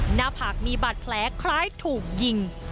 หน้าผากมีบาดแผลคล้ายถูกยิง